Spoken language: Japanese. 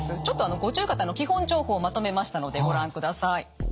ちょっと五十肩の基本情報をまとめましたのでご覧ください。